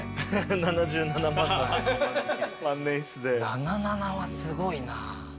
７７はすごいな。